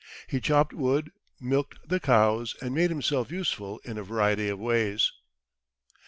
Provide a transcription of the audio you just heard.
He chopped wood, milked the cows, and made himself useful in a variety of ways.